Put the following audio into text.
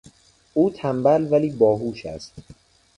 او تنبل ولی باهوش است.